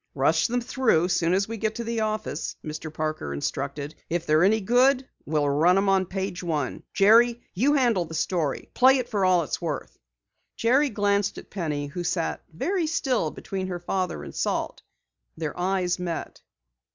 "Rush them through as soon as we get to the office," Mr. Parker instructed. "If they're any good we'll run 'em on page one. Jerry, you handle the story play it for all it's worth." Jerry glanced at Penny who sat very still between her father and Salt. Their eyes met.